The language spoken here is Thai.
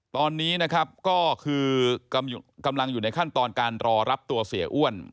ตอนนี้นะครับก็คือกำลังอยู่ในขั้นตอนการรอรับตัวเสียอ้วน